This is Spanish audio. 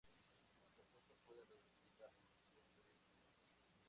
El compuesto puede reducir la producción de saliva.